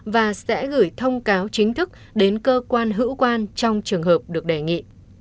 và sẽ gửi thông cáo chính thức đến cơ quan hữu quan trong trường hợp được đề nghị